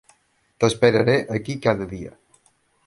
T'esperaré aquí cada dia.